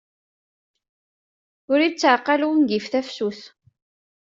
Ur ittaɛqal ungif tafsut.